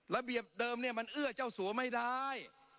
ระเบียบเดิมเนี่ยมันเอื้อเจ้าสัวไม่ได้